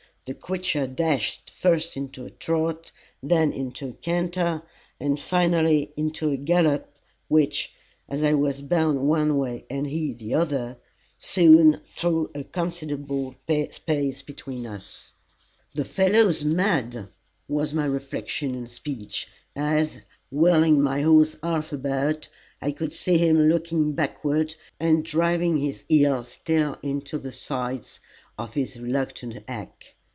The creature dashed first into a trot, then into a canter, and finally into a gallop, which, as I was bound one way and he the other, soon threw a considerable space between us. "The fellow's mad!" was my reflection and speech, as, wheeling my horse half about, I could see him looking backward, and driving his heels still into the sides of his reluctant hack.